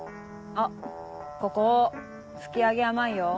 あっここ拭き上げ甘いよ。